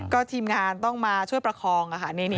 ก็ทีมงานต้องมาช่วยประคอง